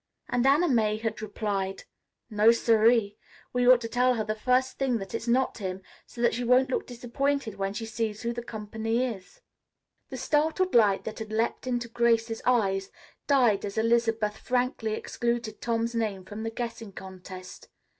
And Anna May had replied: "No, siree. We ought to tell her the first thing that it's not him, so that she won't look disappointed when she sees who the company is." The startled light that had leaped into Grace's eyes died as Elizabeth frankly excluded Tom's name from the guessing contest.